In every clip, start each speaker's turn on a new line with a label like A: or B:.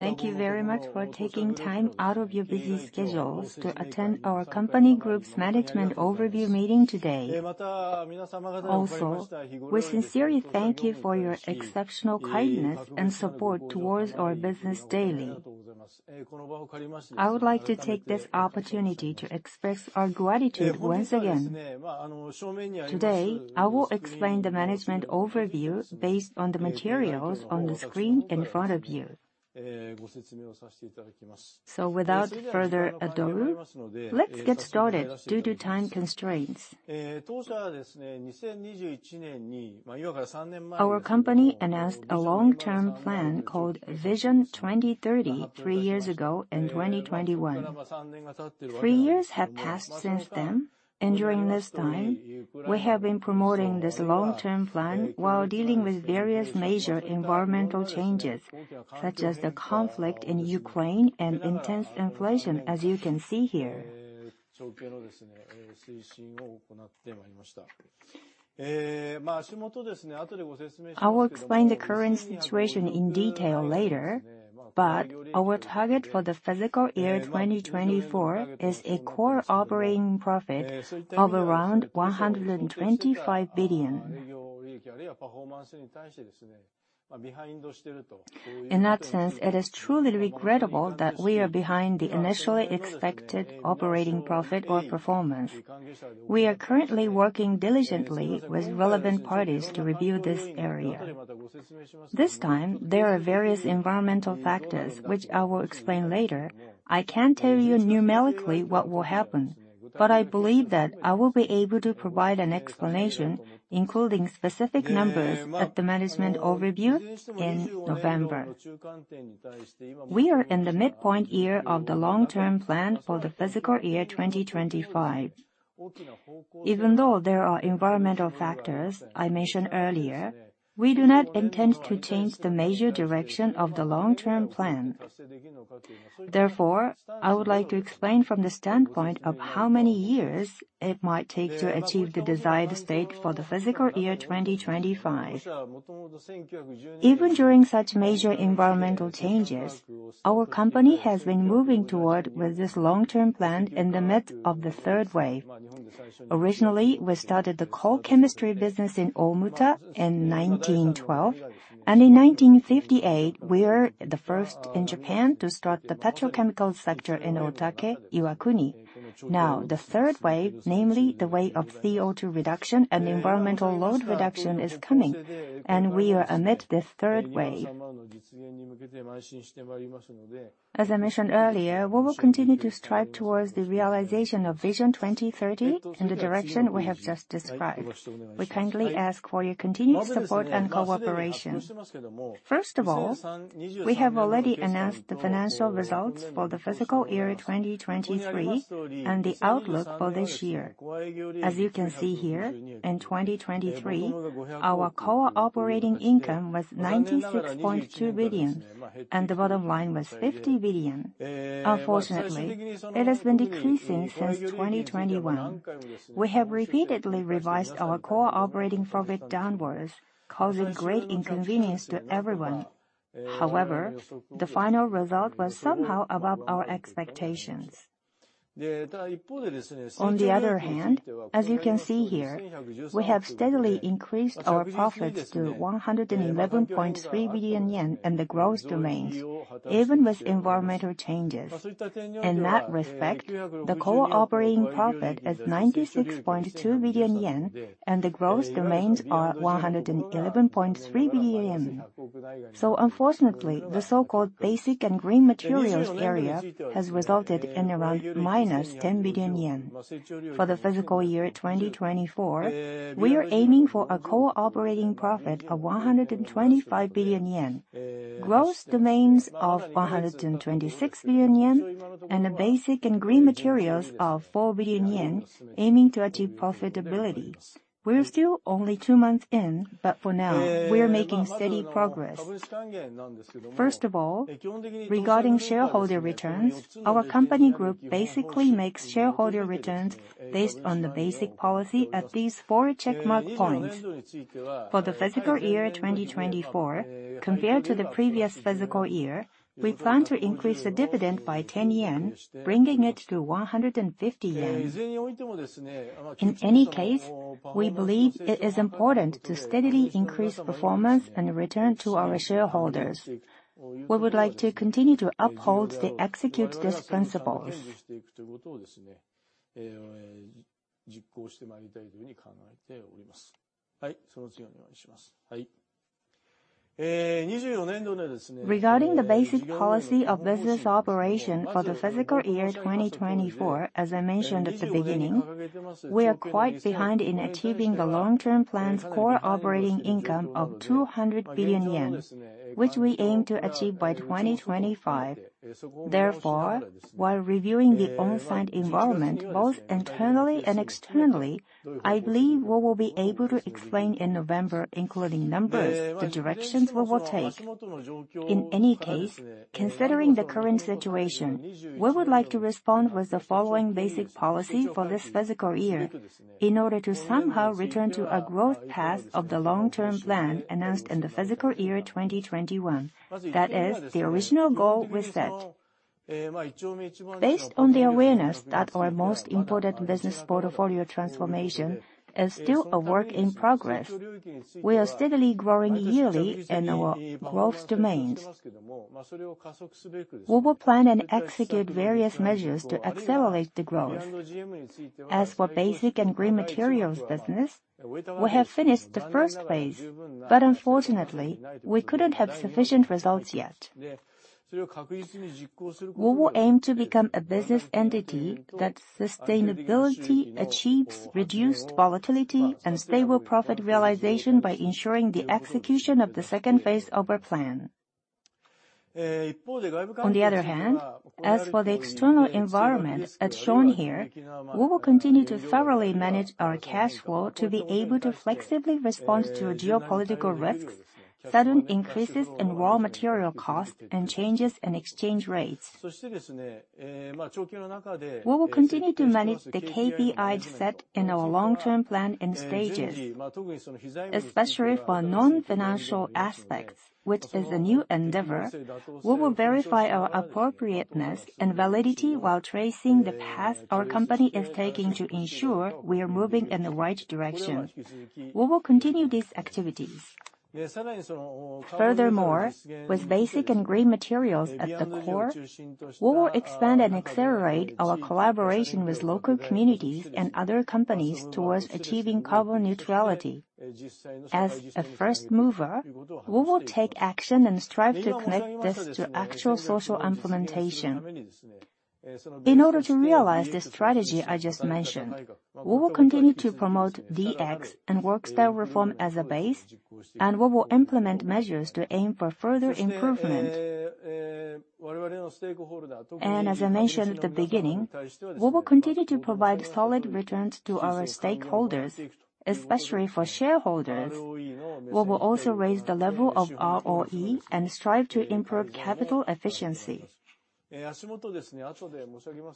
A: Thank you very much for taking time out of your busy schedules to attend our company group's management overview meeting today. Also, we sincerely thank you for your exceptional kindness and support towards our business daily. I would like to take this opportunity to express our gratitude once again. Today, I will explain the management overview based on the materials on the screen in front of you. So without further ado, let's get started due to time constraints. Our company announced a long-term plan called Vision 2030 three years ago in 2021. Three years have passed since then, and during this time, we have been promoting this long-term plan while dealing with various major environmental changes, such as the conflict in Ukraine and intense inflation, as you can see here. I will explain the current situation in detail later, but our target for the fiscal year 2024 is a core operating profit of around JPY 125 billion. In that sense, it is truly regrettable that we are behind the initially expected operating profit or performance. We are currently working diligently with relevant parties to review this area. This time, there are various environmental factors, which I will explain later. I can't tell you numerically what will happen, but I believe that I will be able to provide an explanation, including specific numbers, at the management overview in November. We are in the midpoint year of the long-term plan for the fiscal year 2025. Even though there are environmental factors I mentioned earlier, we do not intend to change the major direction of the long-term plan. Therefore, I would like to explain from the standpoint of how many years it might take to achieve the desired state for the fiscal year 2025. Even during such major environmental changes, our company has been moving forward with this long-term plan in the midst of the third wave. Originally, we started the core chemistry business in Omuta in 1912, and in 1958, we were the first in Japan to start the petrochemical sector in Otake, Iwakuni. Now, the third wave, namely the wave of CO2 reduction and environmental load reduction, is coming, and we are amid this third wave. As I mentioned earlier, we will continue to strive towards the realization of Vision 2030 in the direction we have just described. We kindly ask for your continued support and cooperation. First of all, we have already announced the financial results for the fiscal year 2023, and the outlook for this year. As you can see here, in 2023, our core operating income was 96.2 billion, and the bottom line was 50 billion. Unfortunately, it has been decreasing since 2021. We have repeatedly revised our core operating profit downwards, causing great inconvenience to everyone. However, the final result was somehow above our expectations. On the other hand, as you can see here, we have steadily increased our profits to 111.3 billion yen in the growth domains, even with environmental changes. In that respect, the core operating profit is 96.2 billion yen, and the growth domains are 111.3 billion yen. So unfortunately, the so-called basic and green materials area has resulted in around -10 billion yen. For the fiscal year 2024, we are aiming for a core operating profit of 125 billion yen, growth domains of 126 billion yen, and the basic and green materials of 4 billion yen, aiming to achieve profitability. We're still only two months in, but for now, we're making steady progress. First of all, regarding shareholder returns, our company group basically makes shareholder returns based on the basic policy at these four checkmark points. For the fiscal year 2024, compared to the previous fiscal year, we plan to increase the dividend by 10 yen, bringing it to 150 yen. In any case, we believe it is important to steadily increase performance and return to our shareholders. We would like to continue to uphold the executive disciplines. Regarding the basic policy of business operation for the fiscal year 2024, as I mentioned at the beginning, we are quite behind in achieving the long-term plan's core operating income of 200 billion yen, which we aim to achieve by 2025. Therefore, while reviewing the on-site environment, both internally and externally, I believe we will be able to explain in November, including numbers, the directions we will take. In any case, considering the current situation, we would like to respond with the following basic policy for this fiscal year in order to somehow return to a growth path of the long-term plan announced in the fiscal year 2021. That is the original goal we set.... Based on the awareness that our most important business portfolio transformation is still a work in progress, we are steadily growing yearly in our growth domains. We will plan and execute various measures to accelerate the growth. As for basic and green materials business, we have finished the first phase, but unfortunately, we couldn't have sufficient results yet. We will aim to become a business entity that sustainably achieves reduced volatility and stable profit realization by ensuring the execution of the second phase of our plan. On the other hand, as for the external environment, as shown here, we will continue to thoroughly manage our cash flow to be able to flexibly respond to geopolitical risks, sudden increases in raw material costs, and changes in exchange rates. We will continue to manage the KPIs set in our long-term plan in stages. Especially for non-financial aspects, which is a new endeavor, we will verify our appropriateness and validity while tracing the path our company is taking to ensure we are moving in the right direction. We will continue these activities. Furthermore, with basic and green materials at the core, we will expand and accelerate our collaboration with local communities and other companies towards achieving carbon neutrality. As a first mover, we will take action and strive to connect this to actual social implementation. In order to realize the strategy I just mentioned, we will continue to promote DX and work style reform as a base, and we will implement measures to aim for further improvement. As I mentioned at the beginning, we will continue to provide solid returns to our stakeholders, especially for shareholders. We will also raise the level of ROE and strive to improve capital efficiency.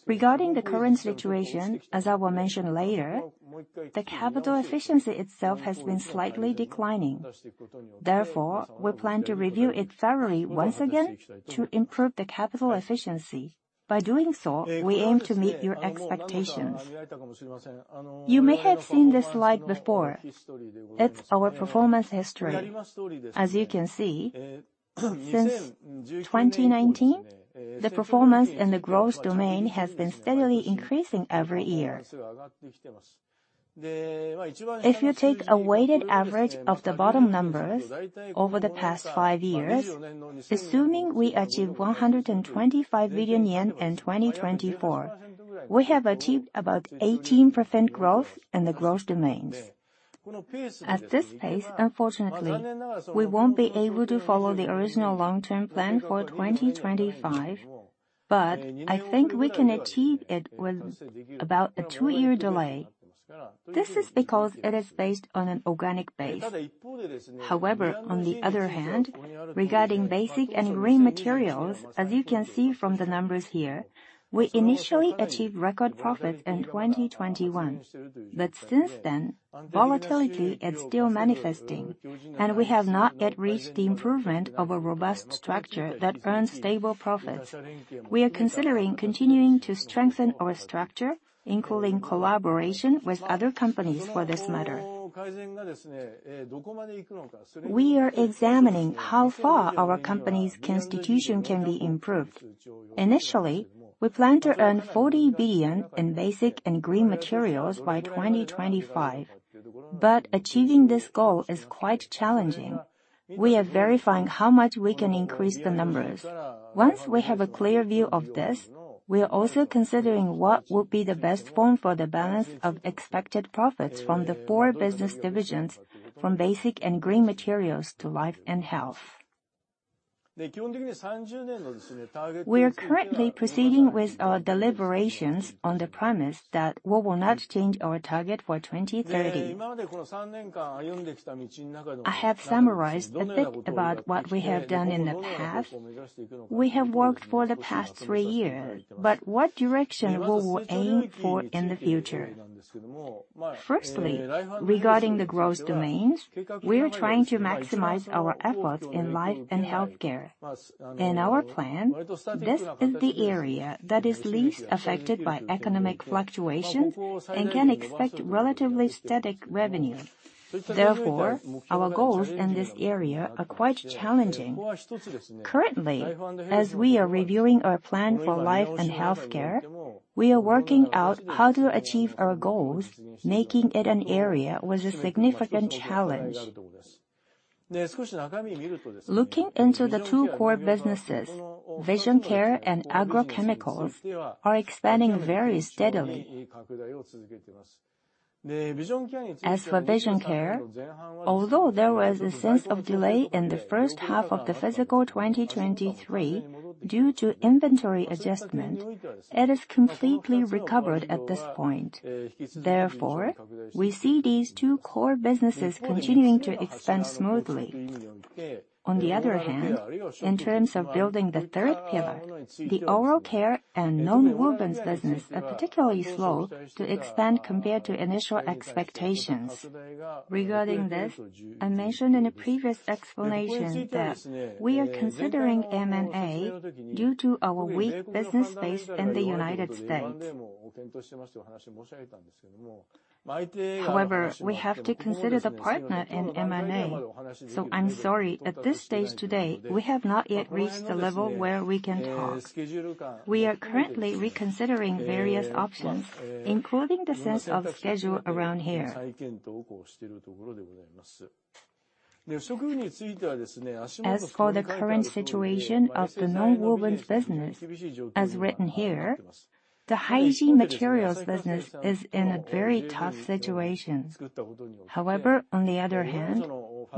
A: Regarding the current situation, as I will mention later, the capital efficiency itself has been slightly declining. Therefore, we plan to review it thoroughly once again to improve the capital efficiency. By doing so, we aim to meet your expectations. You may have seen this slide before. It's our performance history. As you can see, since 2019, the performance in the growth domain has been steadily increasing every year. If you take a weighted average of the bottom numbers over the past five years, assuming we achieve 125 billion yen in 2024, we have achieved about 18% growth in the growth domains. At this pace, unfortunately, we won't be able to follow the original long-term plan for 2025, but I think we can achieve it with about a 2-year delay. This is because it is based on an organic base. However, on the other hand, regarding basic and green materials, as you can see from the numbers here, we initially achieved record profits in 2021. But since then, volatility is still manifesting, and we have not yet reached the improvement of a robust structure that earns stable profits. We are considering continuing to strengthen our structure, including collaboration with other companies for this matter. We are examining how far our company's constitution can be improved. Initially, we plan to earn 40 billion in basic and green materials by 2025, but achieving this goal is quite challenging. We are verifying how much we can increase the numbers. Once we have a clear view of this, we are also considering what will be the best form for the balance of expected profits from the four business divisions, from basic and green materials to life and health. We are currently proceeding with our deliberations on the premise that we will not change our target for 2030. I have summarized a bit about what we have done in the past. We have worked for the past three years, but what direction will we aim for in the future? Firstly, regarding the growth domains, we are trying to maximize our efforts in life and healthcare. In our plan, this is the area that is least affected by economic fluctuations and can expect relatively static revenue. Therefore, our goals in this area are quite challenging. Currently, as we are reviewing our plan for life and healthcare, we are working out how to achieve our goals, making it an area with a significant challenge. Looking into the two core businesses, vision care and agrochemicals are expanding very steadily. As for vision care, although there was a sense of delay in the first half of the fiscal 2023 due to inventory adjustment, it is completely recovered at this point. Therefore, we see these two core businesses continuing to expand smoothly. On the other hand, in terms of building the third pillar, the oral care and nonwovens business are particularly slow to expand compared to initial expectations. Regarding this, I mentioned in a previous explanation that we are considering M&A due to our weak business base in the U.S.. However, we have to consider the partner in M&A, so I'm sorry, at this stage today, we have not yet reached the level where we can talk. We are currently reconsidering various options, including the sense of schedule around here. As for the current situation of the nonwovens business, as written here, the hygiene materials business is in a very tough situation. However, on the other hand,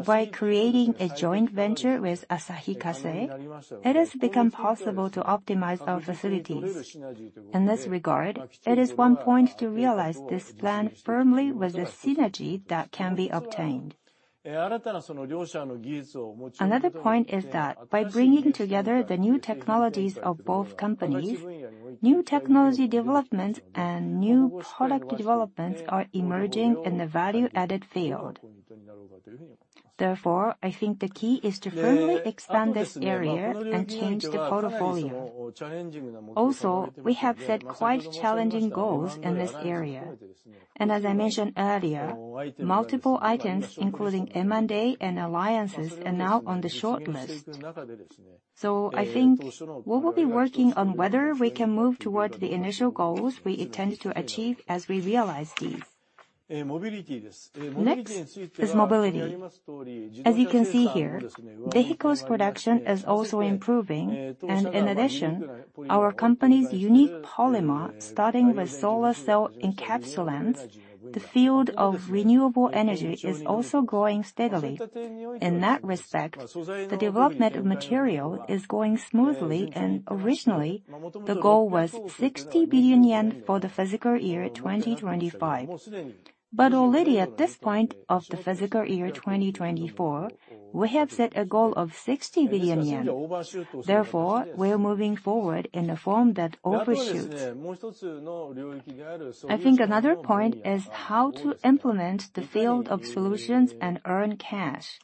A: by creating a joint venture with Asahi Kasei, it has become possible to optimize our facilities. In this regard, it is one point to realize this plan firmly with the synergy that can be obtained. Another point is that by bringing together the new technologies of both companies, new technology developments and new product developments are emerging in the value-added field. Therefore, I think the key is to firmly expand this area and change the portfolio. Also, we have set quite challenging goals in this area, and as I mentioned earlier, multiple items, including M&A and alliances, are now on the short list. So I think we will be working on whether we can move toward the initial goals we intend to achieve as we realize these. Next is mobility. As you can see here, vehicles production is also improving, and in addition, our company's unique polymer, starting with solar cell encapsulants, the field of renewable energy is also growing steadily. In that respect, the development of material is going smoothly, and originally, the goal was 60 billion yen for the fiscal year 2025. But already at this point of the fiscal year 2024, we have set a goal of 60 billion yen. Therefore, we are moving forward in a form that overshoot. I think another point is how to implement the field of solutions and earn cash.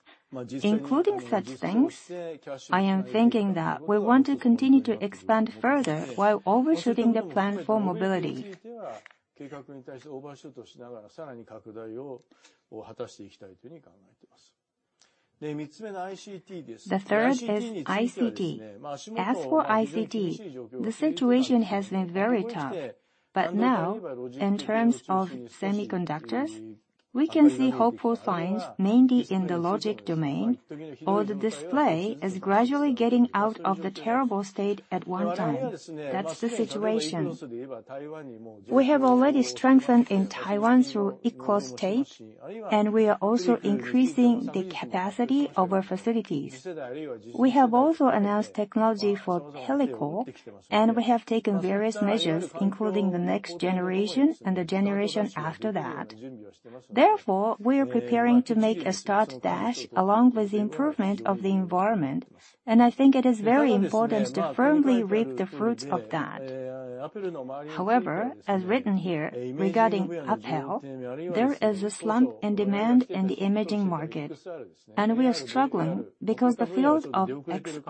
A: Including such things, I am thinking that we want to continue to expand further while overshooting the plan for mobility. The third is ICT. As for ICT, the situation has been very tough, but now, in terms of semiconductors, we can see hopeful signs, mainly in the logic domain, or the display is gradually getting out of the terrible state at one time. That's the situation. We have already strengthened in Taiwan through equal stakes, and we are also increasing the capacity of our facilities. We have also announced technology for pellicle, and we have taken various measures, including the next generation and the generation after that. Therefore, we are preparing to make a start dash along with the improvement of the environment, and I think it is very important to firmly reap the fruits of that. However, as written here, regarding Apple, there is a slump in demand in the imaging market, and we are struggling because the fields of XR,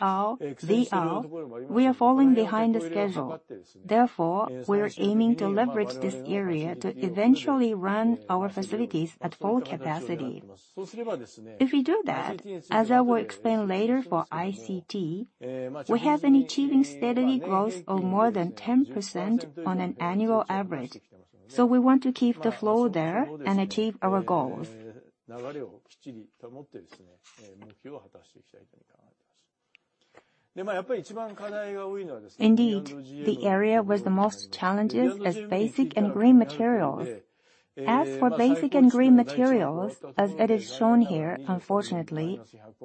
A: AR, VR, we are falling behind the schedule. Therefore, we are aiming to leverage this area to eventually run our facilities at full capacity. If we do that, as I will explain later for ICT, we have been achieving steady growth of more than 10% on an annual average, so we want to keep the flow there and achieve our goals. Indeed, the area with the most challenges is basic and green materials. As for basic and green materials, as it is shown here, unfortunately,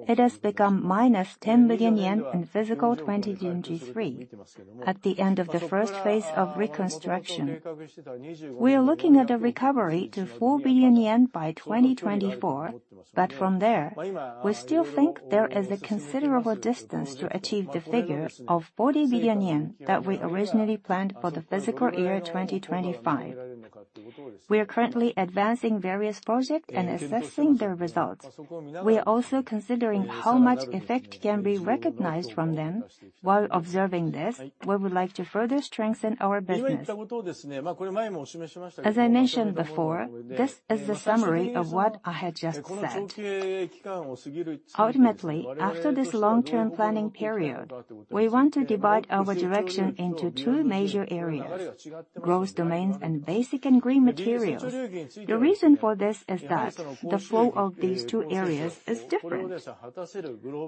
A: it has become -10 billion yen in fiscal 2023, at the end of the first phase of reconstruction. We are looking at a recovery to 4 billion yen by 2024, but from there, we still think there is a considerable distance to achieve the figure of 40 billion yen that we originally planned for the fiscal year 2025. We are currently advancing various projects and assessing their results. We are also considering how much effect can be recognized from them. While observing this, we would like to further strengthen our business. As I mentioned before, this is the summary of what I had just said. Ultimately, after this long-term planning period, we want to divide our direction into two major areas, growth domains and basic and green materials. The reason for this is that the flow of these two areas is different.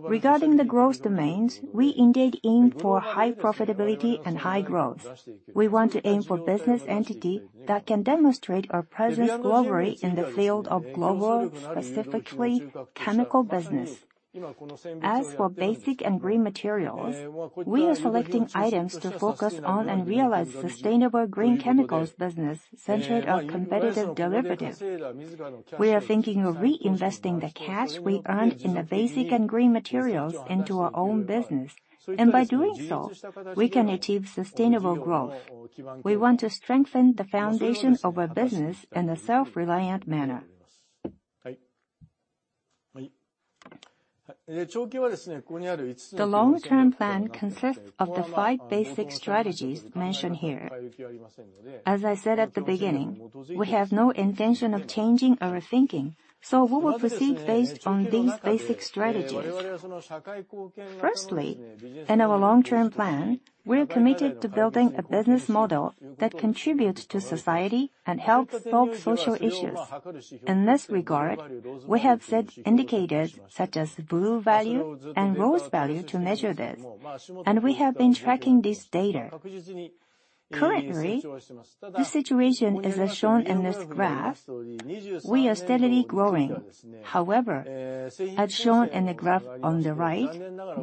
A: Regarding the growth domains, we indeed aim for high profitability and high growth. We want to aim for business entity that can demonstrate our presence globally in the field of global, specifically chemical business. As for basic and green materials, we are selecting items to focus on and realize sustainable green chemicals business centered on competitive derivative. We are thinking of reinvesting the cash we earned in the basic and green materials into our own business, and by doing so, we can achieve sustainable growth. We want to strengthen the foundation of our business in a self-reliant manner. The long-term plan consists of the five basic strategies mentioned here. As I said at the beginning, we have no intention of changing our thinking, so we will proceed based on these basic strategies. Firstly, in our long-term plan, we are committed to building a business model that contributes to society and helps solve social issues. In this regard, we have set indicators such as Blue Value and Rose Value to measure this, and we have been tracking this data. Currently, the situation is as shown in this graph. We are steadily growing. However, as shown in the graph on the right,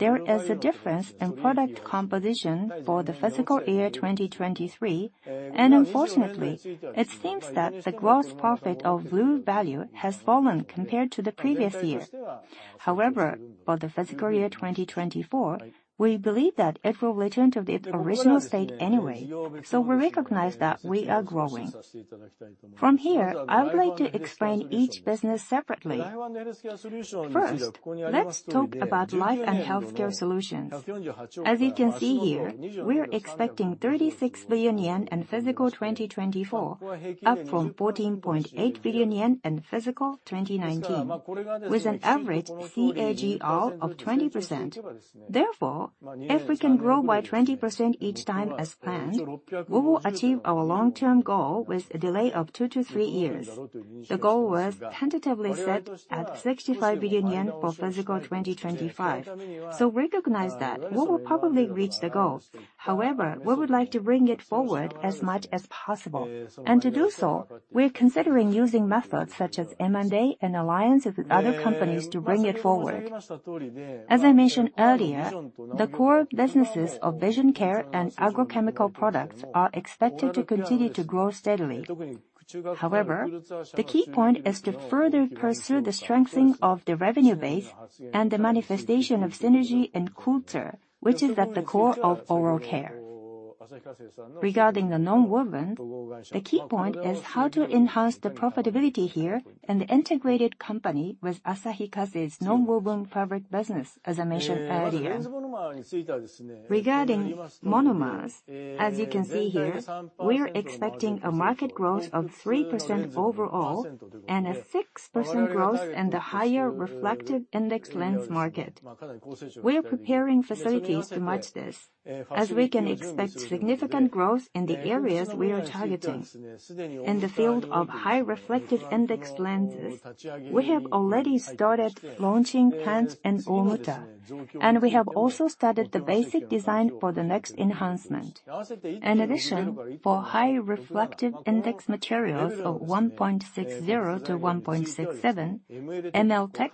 A: there is a difference in product composition for the fiscal year 2023, and unfortunately, it seems that the gross profit of Blue Value has fallen compared to the previous year. However, for the fiscal year 2024, we believe that it will return to its original state anyway, so we recognize that we are growing. From here, I would like to explain each business separately. First, let's talk about life and healthcare solutions. As you can see here, we're expecting 36 billion yen in fiscal 2024, up from 14.8 billion yen in fiscal 2019, with an average CAGR of 20%. Therefore, if we can grow by 20% each time as planned, we will achieve our long-term goal with a delay of two-three years. The goal was tentatively set at 65 billion yen for fiscal 2025. So recognize that we will probably reach the goal. However, we would like to bring it forward as much as possible, and to do so, we are considering using methods such as M&A and alliances with other companies to bring it forward. As I mentioned earlier, the core businesses of vision care and agrochemical products are expected to continue to grow steadily. However, the key point is to further pursue the strengthening of the revenue base and the manifestation of synergy in culture, which is at the core of oral care. Regarding the nonwovens, the key point is how to enhance the profitability here and the integrated company with Asahi Kasei's nonwovens fabric business, as I mentioned earlier. Regarding monomers, as you can see here, we are expecting a market growth of 3% overall and a 6% growth in the high refractive index lens market. We are preparing facilities to match this, as we can expect significant growth in the areas we are targeting. In the field of high refractive index lenses, we have already started launching plants in Omuta, and we have also started the basic design for the next enhancement. In addition, for high refractive index materials of 1.60-1.67, ML Tech,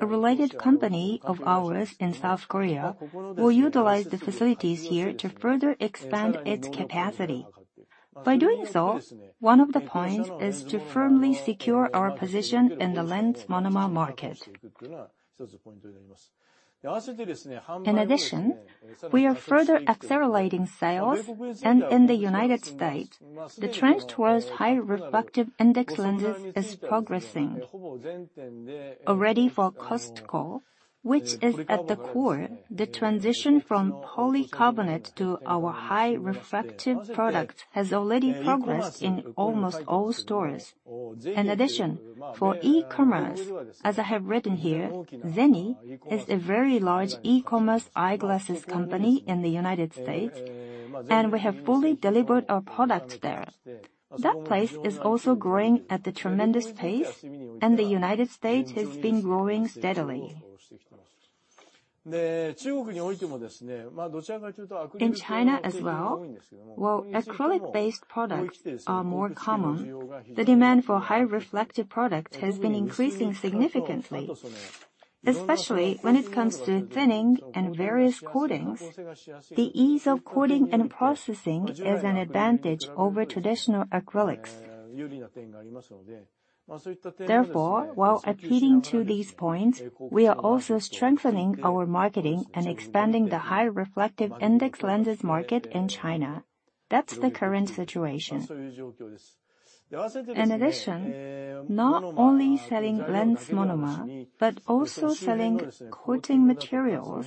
A: a related company of ours in South Korea, will utilize the facilities here to further expand its capacity. By doing so, one of the points is to firmly secure our position in the lens monomer market. In addition, we are further accelerating sales, and in the U.S., the trend towards high refractive index lenses is progressing. Already for Costco, which is at the core, the transition from polycarbonate to our high refractive product has already progressed in almost all stores. In addition, for e-commerce, as I have written here, Zenni is a very large e-commerce eyeglasses company in the U.S., and we have fully delivered our product there. That place is also growing at a tremendous pace, and the U.S. has been growing steadily. In China as well, while acrylic-based products are more common, the demand for high refractive products has been increasing significantly. Especially when it comes to thinning and various coatings, the ease of coating and processing is an advantage over traditional acrylics. Therefore, while appealing to these points, we are also strengthening our marketing and expanding the high refractive index lenses market in China. That's the current situation. In addition, not only selling lens monomer, but also selling coating materials,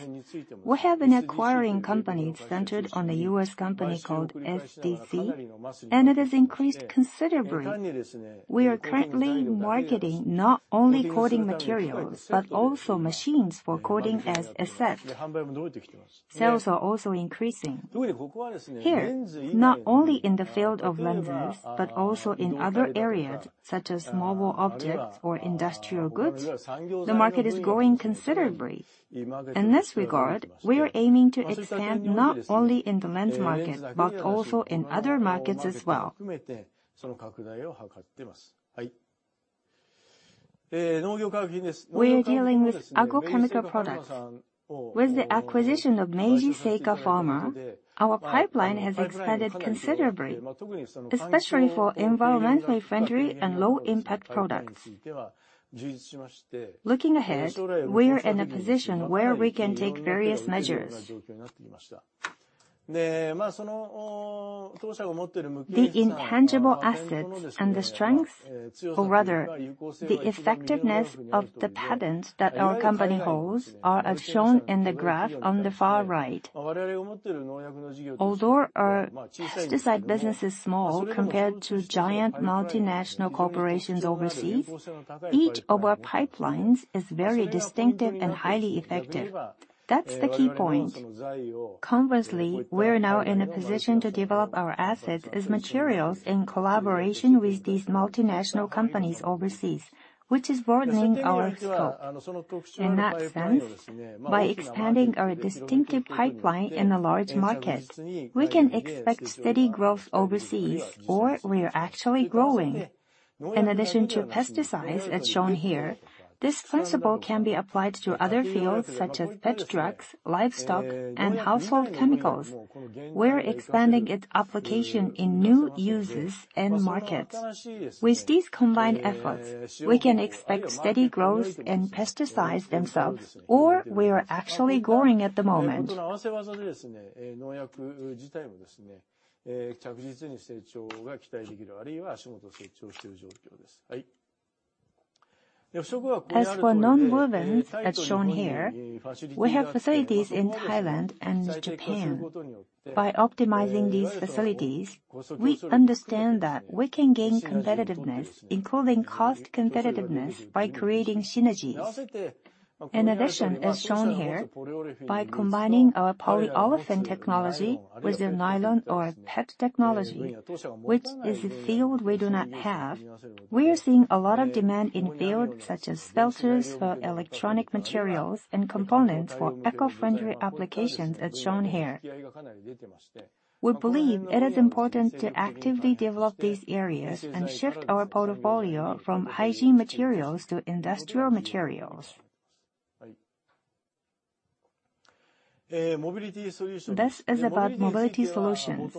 A: we have been acquiring companies centered on a U.S. company called SDC, and it has increased considerably. We are currently marketing not only coating materials, but also machines for coating as assessed. Sales are also increasing. Here, not only in the field of lenses, but also in other areas such as mobile objects or industrial goods, the market is growing considerably. In this regard, we are aiming to expand not only in the lens market, but also in other markets as well. We are dealing with agrochemical products. With the acquisition of Meiji Seika Pharma, our pipeline has expanded considerably, especially for environmentally friendly and low-impact products. Looking ahead, we are in a position where we can take various measures. The intangible assets and the strengths, or rather, the effectiveness of the patents that our company holds are as shown in the graph on the far right. Although our pesticide business is small compared to giant multinational corporations overseas, each of our pipelines is very distinctive and highly effective. That's the key point. Conversely, we are now in a position to develop our assets as materials in collaboration with these multinational companies overseas, which is broadening our scope. In that sense, by expanding our distinctive pipeline in a large market, we can expect steady growth overseas, or we are actually growing. In addition to pesticides, as shown here, this principle can be applied to other fields such as pet drugs, livestock, and household chemicals. We're expanding its application in new uses and markets. With these combined efforts, we can expect steady growth in pesticides themselves, or we are actually growing at the moment. As for nonwovens, as shown here, we have facilities in Thailand and Japan. By optimizing these facilities, we understand that we can gain competitiveness, including cost competitiveness, by creating synergies. In addition, as shown here, by combining our polyolefin technology with the nylon or PET technology, which is a field we do not have, we are seeing a lot of demand in fields such as filters for electronic materials and components for eco-friendly applications, as shown here. We believe it is important to actively develop these areas and shift our portfolio from hygiene materials to industrial materials. This is about mobility solutions.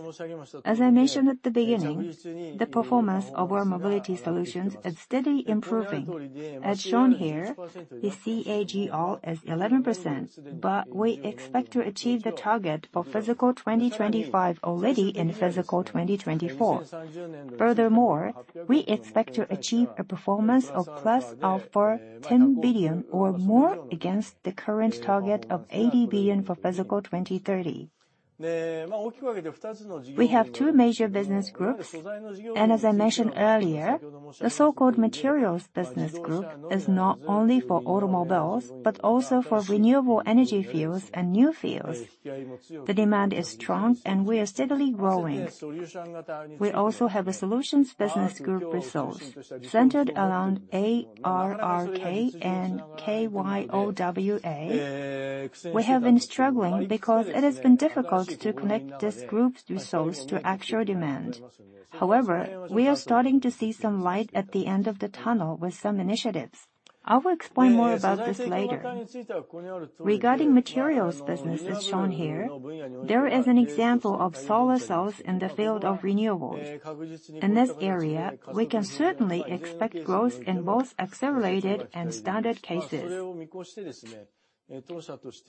A: As I mentioned at the beginning, the performance of our mobility solutions is steadily improving. As shown here, the CAGR is 11%, but we expect to achieve the target for fiscal 2025 already in fiscal 2024. We have two major business groups, and as I mentioned earlier, the so-called materials business group is not only for automobiles, but also for renewable energy fields and new fields. The demand is strong, and we are steadily growing. We also have a solutions business group resource centered around ARRK and Kyowa. We have been struggling because it has been difficult to connect this group's resource to actual demand. However, we are starting to see some light at the end of the tunnel with some initiatives. I will explain more about this later. Regarding materials business, as shown here, there is an example of solar cells in the field of renewables. In this area, we can certainly expect growth in both accelerated and standard cases.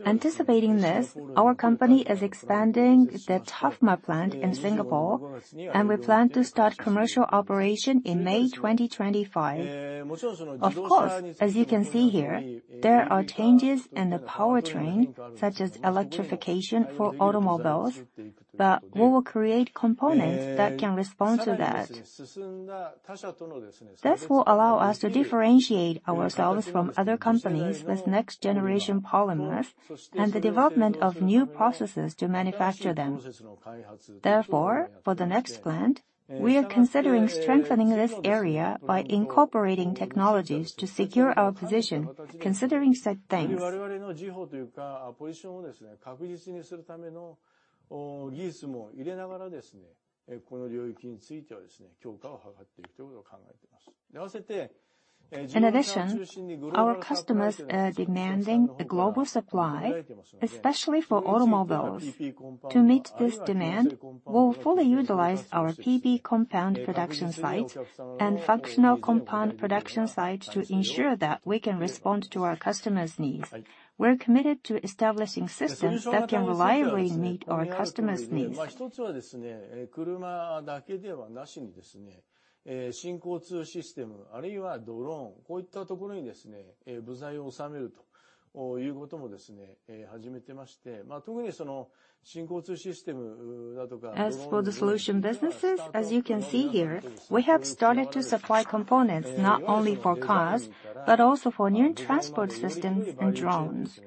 A: Anticipating this, our company is expanding the TAFMER plant in Singapore, and we plan to start commercial operation in May 2025. Of course, as you can see here, there are changes in the powertrain, such as electrification for automobiles, but we will create components that can respond to that. This will allow us to differentiate ourselves from other companies with next-generation polymers and the development of new processes to manufacture them. Therefore, for the next plant, we are considering strengthening this area by incorporating technologies to secure our position, considering such things. In addition, our customers are demanding a global supply, especially for automobiles. To meet this demand, we'll fully utilize our PP compound production sites and functional compound production sites to ensure that we can respond to our customers' needs. We're committed to establishing systems that can reliably meet our customers' needs. As for the solution businesses, as you can see here, we have started to supply components not only for cars, but also for new transport systems and drones.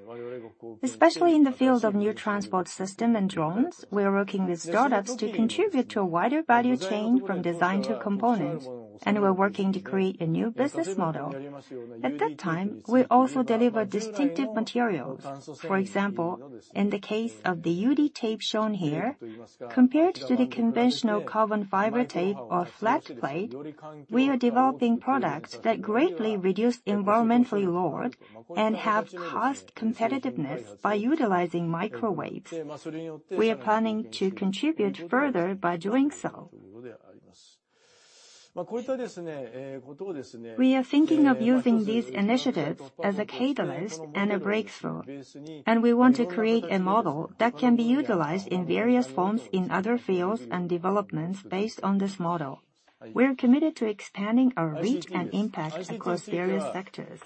A: Especially in the field of new transport system and drones, we are working with startups to contribute to a wider value chain from design to components, and we're working to create a new business model. At that time, we also deliver distinctive materials. For example, in the case of the UD Tape shown here, compared to the conventional carbon fiber tape or flat plate, we are developing products that greatly reduce environmental load and have cost competitiveness by utilizing microwaves. We are planning to contribute further by doing so. We are thinking of using these initiatives as a catalyst and a breakthrough, and we want to create a model that can be utilized in various forms in other fields and developments based on this model. We're committed to expanding our reach and impact across various sectors.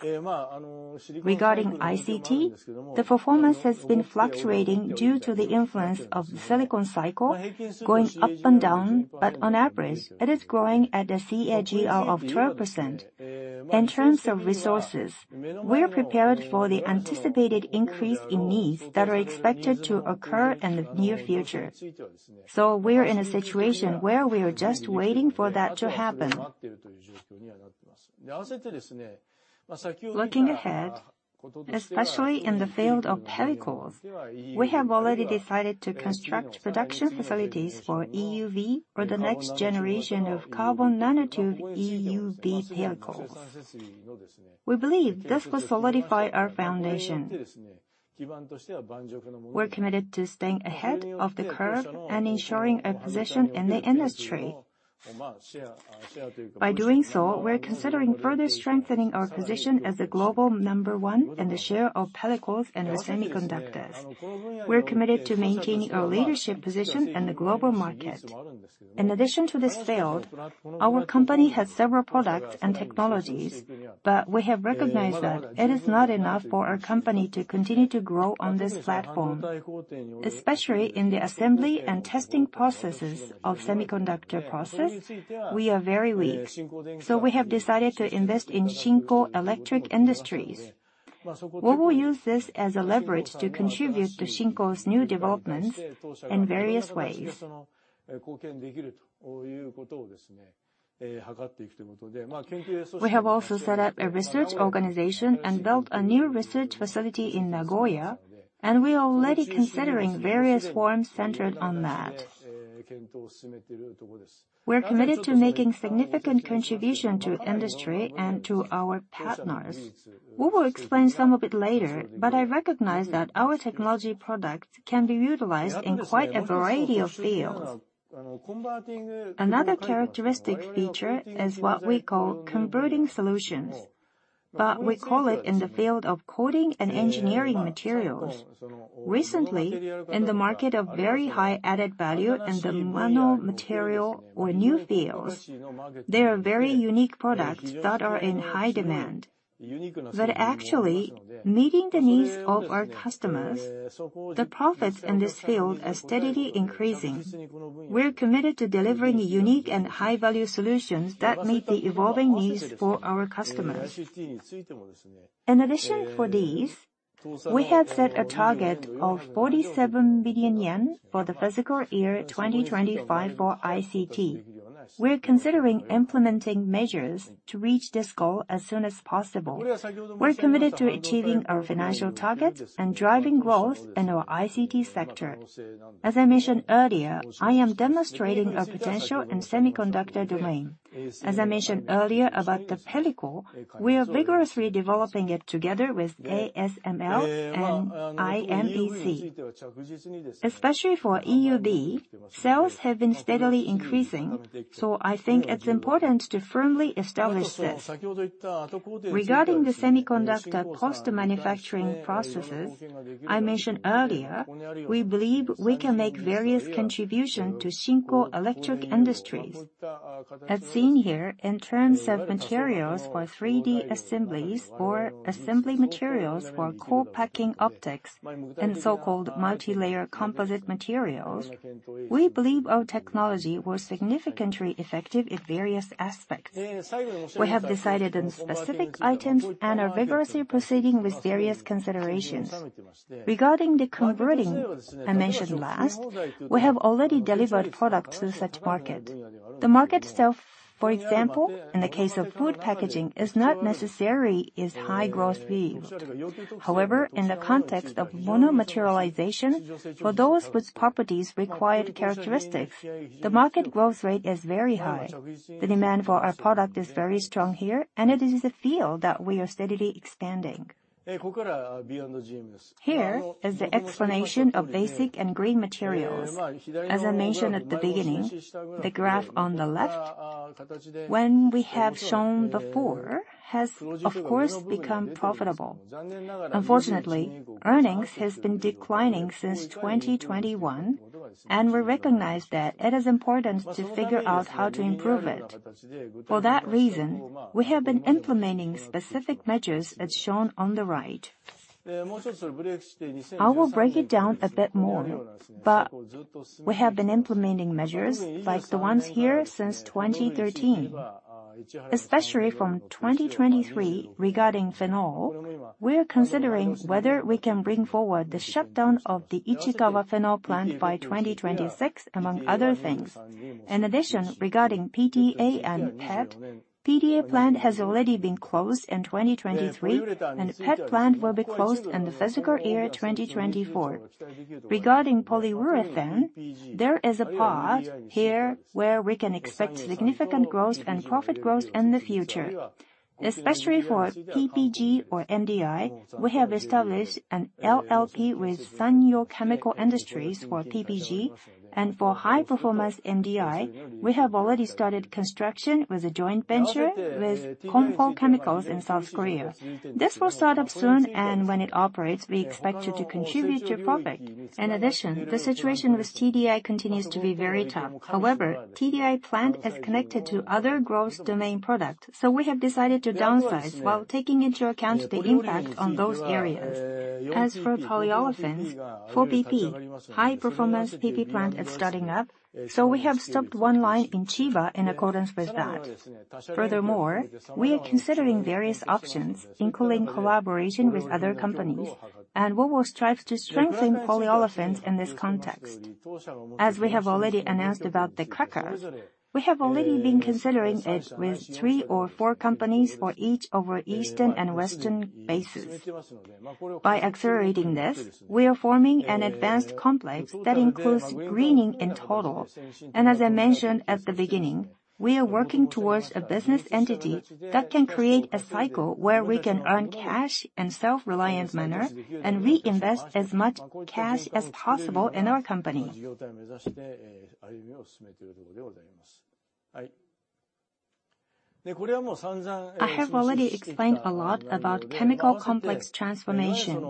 A: Regarding ICT, the performance has been fluctuating due to the influence of the silicon cycle, going up and down, but on average, it is growing at a CAGR of 12%. In terms of resources, we're prepared for the anticipated increase in needs that are expected to occur in the near future. So we're in a situation where we are just waiting for that to happen. Looking ahead, especially in the field of pellicles, we have already decided to construct production facilities for EUV or the next generation of carbon nanotube EUV pellicles. We believe this will solidify our foundation. We're committed to staying ahead of the curve and ensuring a position in the industry. By doing so, we're considering further strengthening our position as the global number one in the share of pellicles and with semiconductors. We're committed to maintaining our leadership position in the global market. In addition to this field, our company has several products and technologies, but we have recognized that it is not enough for our company to continue to grow on this platform. Especially in the assembly and testing processes of semiconductor process, we are very weak, so we have decided to invest in Shinko Electric Industries. We will use this as a leverage to contribute to Shinko's new developments in various ways. We have also set up a research organization and built a new research facility in Nagoya, and we are already considering various forms centered on that. We are committed to making significant contribution to industry and to our partners. We will explain some of it later, but I recognize that our technology products can be utilized in quite a variety of fields. Another characteristic feature is what we call converting solutions, but we call it in the field of coating and engineering materials. Recently, in the market of very high added value in the mono material or new fields, there are very unique products that are in high demand. But actually, meeting the needs of our customers, the profits in this field are steadily increasing. We're committed to delivering unique and high-value solutions that meet the evolving needs for our customers. In addition to these, we have set a target of 47 billion yen for the fiscal year 2025 for ICT. We're considering implementing measures to reach this goal as soon as possible. We're committed to achieving our financial targets and driving growth in our ICT sector. As I mentioned earlier, I am demonstrating our potential in semiconductor domain. As I mentioned earlier about the pellicle, we are vigorously developing it together with ASML and IMEC. Especially for EUV, sales have been steadily increasing, so I think it's important to firmly establish this. Regarding the semiconductor post-manufacturing processes I mentioned earlier, we believe we can make various contribution to Shinko Electric Industries. As seen here, in terms of materials for 3D assemblies or assembly materials for co-packaged optics and so-called multilayer composite materials, we believe our technology was significantly effective in various aspects. We have decided on specific items and are vigorously proceeding with various considerations. Regarding the converting I mentioned last, we have already delivered products to such market. The market itself, for example, in the case of food packaging, is not necessarily is high growth field. However, in the context of mono materialization, for those whose properties require the characteristics, the market growth rate is very high. The demand for our product is very strong here, and it is a field that we are steadily expanding. Here is the explanation of basic and green materials. As I mentioned at the beginning, the graph on the left, when we have shown before, has of course become profitable. Unfortunately, earnings has been declining since 2021, and we recognize that it is important to figure out how to improve it. For that reason, we have been implementing specific measures as shown on the right. I will break it down a bit more, but we have been implementing measures like the ones here since 2013. Especially from 2023, regarding phenol, we are considering whether we can bring forward the shutdown of the Ichikawa phenol plant by 2026, among other things. In addition, regarding PTA and PET, PTA plant has already been closed in 2023, and PET plant will be closed in the fiscal year 2024. Regarding polyurethane, there is a path here where we can expect significant growth and profit growth in the future. Especially for PPG or MDI, we have established an LLP with Sanyo Chemical Industries for PPG, and for high-performance MDI, we have already started construction with a joint venture with Kumho Chemicals in South Korea. This will start up soon, and when it operates, we expect it to contribute to profit. In addition, the situation with TDI continues to be very tough. However, TDI plant is connected to other growth domain product, so we have decided to downsize while taking into account the impact on those areas. As for polyolefins, for PP, high-performance PP plant is starting up, so we have stopped one line in Chiba in accordance with that. Furthermore, we are considering various options, including collaboration with other companies, and we will strive to strengthen polyolefins in this context. As we have already announced about the cracker, we have already been considering it with three or four companies for each of our Eastern and Western bases. By accelerating this, we are forming an advanced complex that includes greening in total. As I mentioned at the beginning, we are working towards a business entity that can create a cycle where we can earn cash in self-reliant manner, and reinvest as much cash as possible in our company. I have already explained a lot about chemical complex transformation.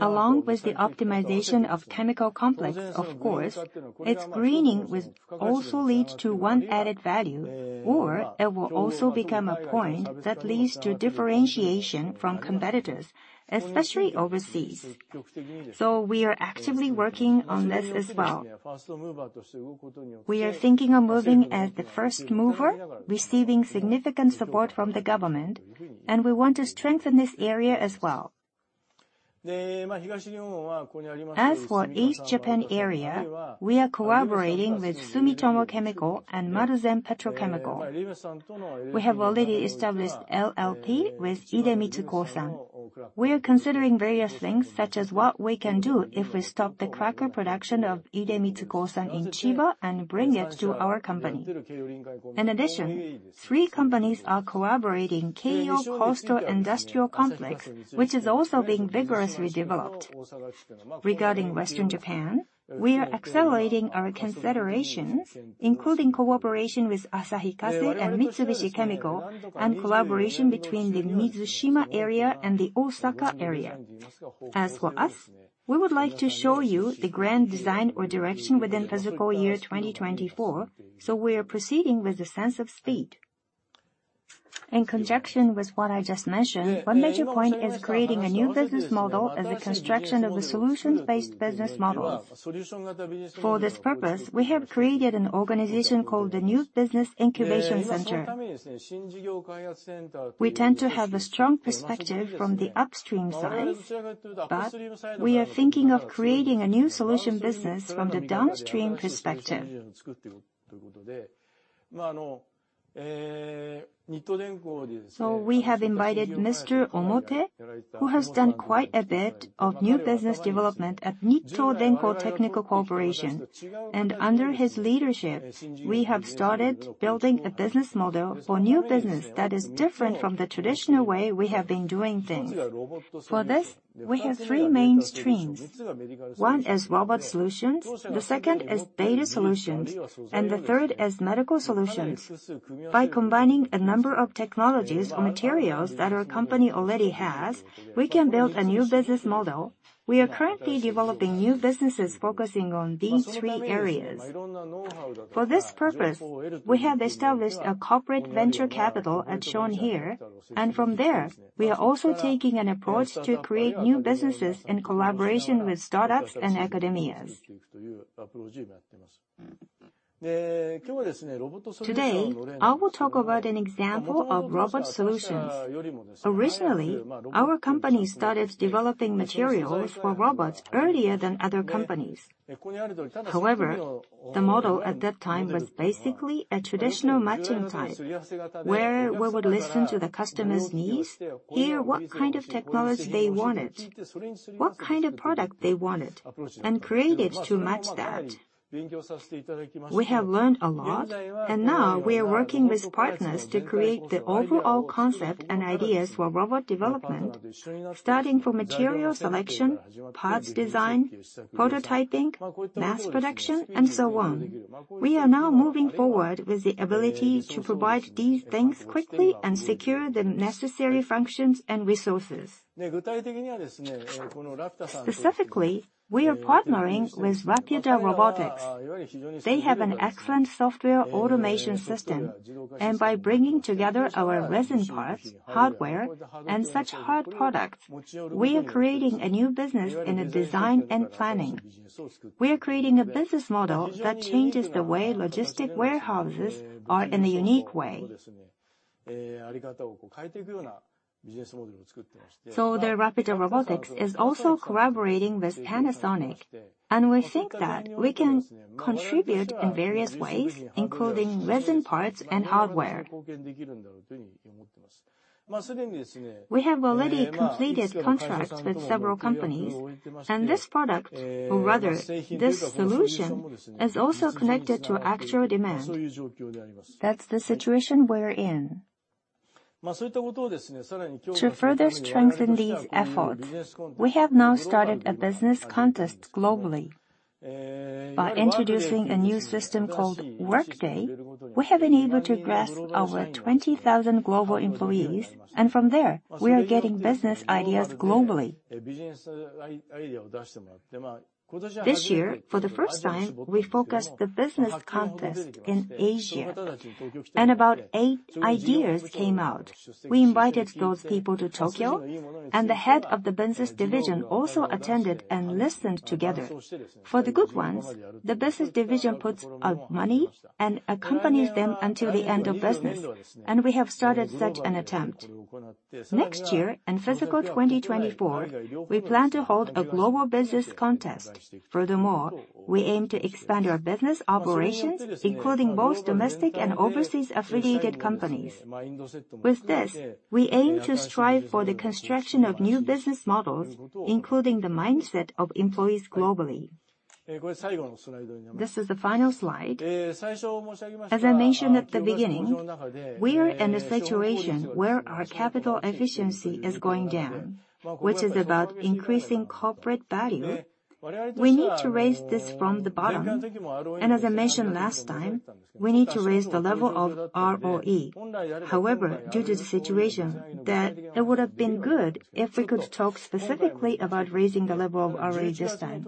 A: Along with the optimization of chemical complex, of course, its greening will also lead to one added value, or it will also become a point that leads to differentiation from competitors, especially overseas. We are actively working on this as well. We are thinking of moving as the first mover, receiving significant support from the government, and we want to strengthen this area as well. As for East Japan area, we are collaborating with Sumitomo Chemical and Maruzen Petrochemical. We have already established LLP with Idemitsu Kosan. We are considering various things, such as what we can do if we stop the cracker production of Idemitsu Kosan in Chiba and bring it to our company. In addition, three companies are collaborating Keiyo Coastal Industrial Complex, which is also being vigorously developed. Regarding Western Japan, we are accelerating our considerations, including cooperation with Asahi Kasei and Mitsubishi Chemical, and collaboration between the Mizushima area and the Osaka area. As for us, we would like to show you the grand design or direction within fiscal year 2024, so we are proceeding with a sense of speed. In conjunction with what I just mentioned, one major point is creating a new business model as a construction of a solutions-based business model. For this purpose, we have created an organization called the New Business Incubation Center. We tend to have a strong perspective from the upstream side, but we are thinking of creating a new solution business from the downstream perspective. So we have invited Mr. Omote, who has done quite a bit of new business development at Nitto Denko Corporation, and under his leadership, we have started building a business model for new business that is different from the traditional way we have been doing things. For this, we have three main streams. One is robot solutions, the second is data solutions, and the third is medical solutions. By combining a number of technologies or materials that our company already has, we can build a new business model. We are currently developing new businesses focusing on these three areas. For this purpose, we have established a corporate venture capital, as shown here, and from there, we are also taking an approach to create new businesses in collaboration with startups and academias. Today, I will talk about an example of robot solutions. Originally, our company started developing materials for robots earlier than other companies. However, the model at that time was basically a traditional matching type, where we would listen to the customer's needs, hear what kind of technology they wanted, what kind of product they wanted, and create it to match that. We have learned a lot, and now we are working with partners to create the overall concept and ideas for robot development, starting from material selection, parts design, prototyping, mass production, and so on. We are now moving forward with the ability to provide these things quickly and secure the necessary functions and resources. Specifically, we are partnering with Rapyuta Robotics. They have an excellent software automation system, and by bringing together our resin parts, hardware, and such hard products, we are creating a new business in a design and planning. We are creating a business model that changes the way logistics warehouses are in a unique way. So the Rapyuta Robotics is also collaborating with Panasonic, and we think that we can contribute in various ways, including resin parts and hardware. We have already completed contracts with several companies, and this product, or rather, this solution, is also connected to actual demand. That's the situation we're in. To further strengthen these efforts, we have now started a business contest globally. By introducing a new system called Workday, we have been able to grasp our 20,000 global employees, and from there, we are getting business ideas globally. This year, for the first time, we focused the business contest in Asia, and about 8 ideas came out. We invited those people to Tokyo, and the head of the business division also attended and listened together. For the good ones, the business division puts out money and accompanies them until the end of business, and we have started such an attempt. Next year, in fiscal 2024, we plan to hold a global business contest. Furthermore, we aim to expand our business operations, including both domestic and overseas affiliated companies. With this, we aim to strive for the construction of new business models, including the mindset of employees globally. This is the final slide. As I mentioned at the beginning, we are in a situation where our capital efficiency is going down, which is about increasing corporate value. We need to raise this from the bottom, and as I mentioned last time, we need to raise the level of ROE. However, due to the situation, that it would have been good if we could talk specifically about raising the level of ROE this time,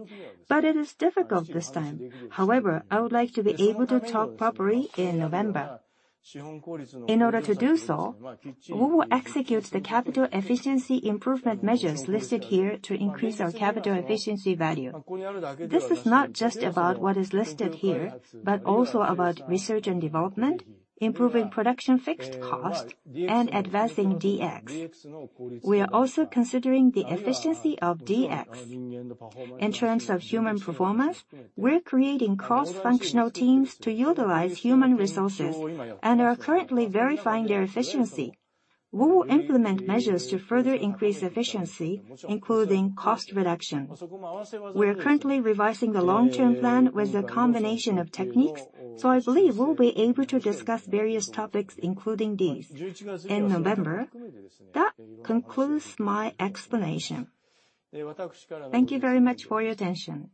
A: but it is difficult this time. However, I would like to be able to talk properly in November. In order to do so, we will execute the capital efficiency improvement measures listed here to increase our capital efficiency value. This is not just about what is listed here, but also about research and development, improving production fixed cost, and advancing DX. We are also considering the efficiency of DX. In terms of human performance, we're creating cross-functional teams to utilize human resources, and are currently verifying their efficiency. We will implement measures to further increase efficiency, including cost reduction. We are currently revising the long-term plan with a combination of techniques, so I believe we'll be able to discuss various topics, including these in November. That concludes my explanation. Thank you very much for your attention.